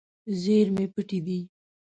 زیرمې پټې دي.